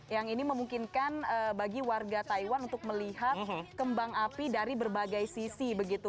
yang ini memungkinkan bagi warga taiwan untuk melihat kembang api dari berbagai sisi begitu